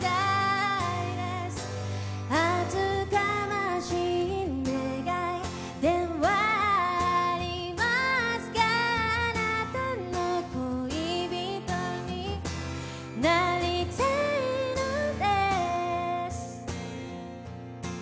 厚かましい願いではありますが、貴方の恋人になりたいのです